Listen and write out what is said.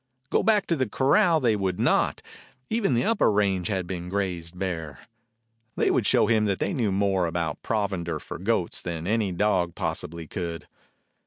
Go back to the corral they would not; even the upper range had been grazed bare. They would show him that they knew more about provender for goats than any dog pos sibly could.